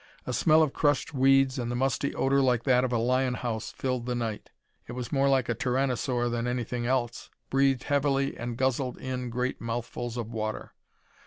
A smell of crushed weeds and the musty odor like that of a lion house filled the night. The tyranosaur it was more like a tyranosaur than anything else breathed heavily and guzzled in great mouthfuls of water.